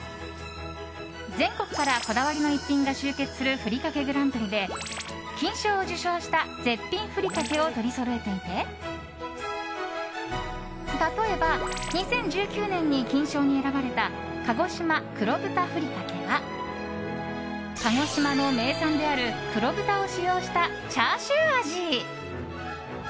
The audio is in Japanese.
全国からこだわりの逸品が集結するふりかけグランプリで金賞を受賞した絶品ふりかけを取りそろえていて例えば２０１９年に金賞に選ばれた鹿児島黒豚ふりかけは鹿児島の名産である黒豚を使用したチャーシュー味。